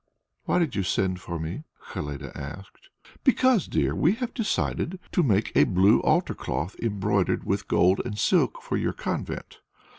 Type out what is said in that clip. "Why did you send for me?" Helene asked. "Because, dear, we have decided to make a blue altar cloth embroidered with gold and silk for your convent.